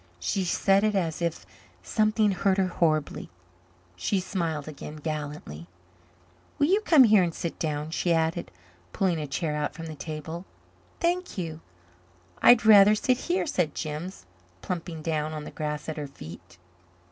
She said it as if something hurt her horribly. She smiled again gallantly. "Will you come here and sit down?" she added, pulling a chair out from the table. "Thank you. I'd rather sit here," said Jims, plumping down on the grass at her feet.